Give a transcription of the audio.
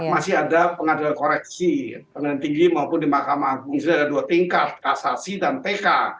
masih ada pengadilan koreksi pengadilan tinggi maupun di mahkamah agung jadi ada dua tingkat kasasi dan tk